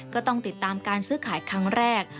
ก็ต้องติดตามการซื้อขายครั้งแรก